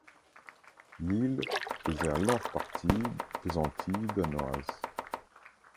L'île faisait alors partie des Antilles danoises.